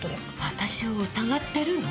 私を疑ってるの？